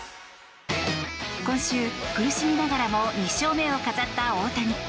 今週、苦しみながらも２勝目を飾った大谷。